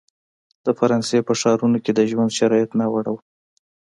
د فرانسې په ښارونو کې د ژوند شرایط ناوړه وو.